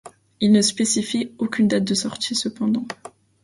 Il ne spécifie aucune date de sortie, cependant.